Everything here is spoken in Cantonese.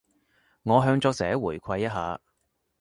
我向作者回饋一下